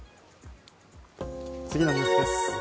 次のニュースです。